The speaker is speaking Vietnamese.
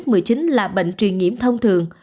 covid một mươi chín là bệnh truyền nhiễm thông thường